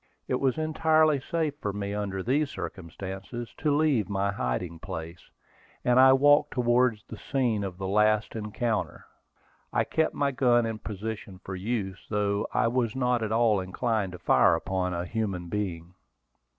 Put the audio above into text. It was entirely safe for me under these circumstances to leave my hiding place, and I walked towards the scene of the last encounter. I kept my gun in position for use, though I was not at all inclined to fire upon a human being.